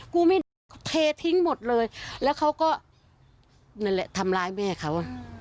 กูไม่โดนเขาเททิ้งหมดเลยแล้วเขาก็นั่นแหละทำร้ายแม่เขา